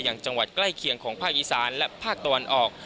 อย่างจังหวัดใกล้เคียงของภาคอีสานและภาคตะวันออก